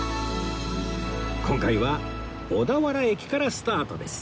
今回は小田原駅からスタートです